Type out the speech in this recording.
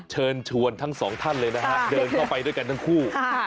เชิญชวนทั้งสองท่านเลยนะฮะเดินเข้าไปด้วยกันทั้งคู่